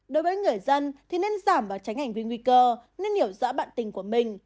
đối với người dân thì nên giảm và tránh hành vi nguy cơ nên hiểu rõ bạn tình của mình